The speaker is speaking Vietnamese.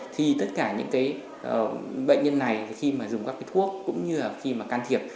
thì tất cả những bệnh nhân này khi mà dùng các cái thuốc cũng như là khi mà can thiệp